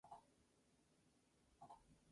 Su terreno estaba salpicado de huesos.